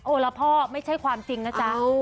ละพ่อไม่ใช่ความจริงนะจ๊ะ